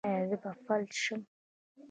ایا زه به فلج شم؟